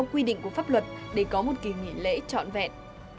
quy định của pháp luật để có một kỳ nghỉ lễ trọn vẹn